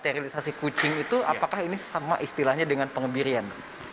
sterilisasi kucing itu apakah ini sama istilahnya dengan pengembirian